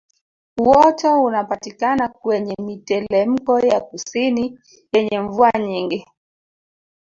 Uoto unapatikana kwenye mitelemko ya kusini yenye mvua nyingi